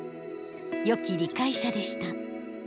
よき理解者でした。